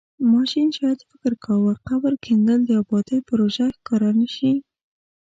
ماشین شاید فکر کاوه قبر کیندل د ابادۍ پروژه ښکاره نشي.